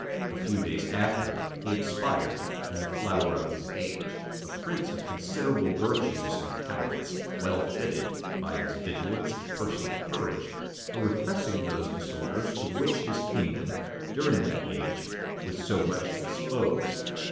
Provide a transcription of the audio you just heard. A few days after, he expired, in the flower of his age: a prince of considerable virtues and talents; well fitted, by his vigilance and personal courage, for repressing those disorders to which his kingdom, during that age, was so much exposed.